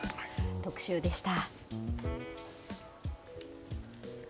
特集でした。